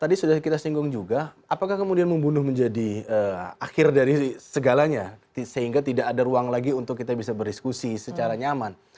tadi sudah kita singgung juga apakah kemudian membunuh menjadi akhir dari segalanya sehingga tidak ada ruang lagi untuk kita bisa berdiskusi secara nyaman